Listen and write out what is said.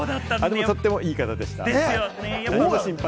でもとってもいい方でした。